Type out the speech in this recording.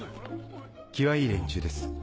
気はいい連中です。